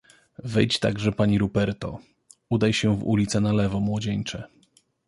"Wejdź także pani Ruperto; udaj się w ulicę na lewo, młodzieńcze."